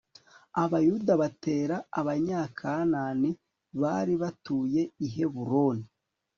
abayuda batera abanyakanani bari batuye i heburoni+